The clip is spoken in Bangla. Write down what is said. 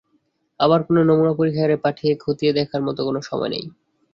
আবার কোনো নমুনা পরীক্ষাগারে পাঠিয়ে খতিয়ে দেখার মতো কোনো সময় নেই।